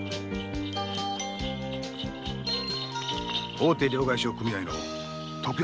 ・大手両替商組合の特約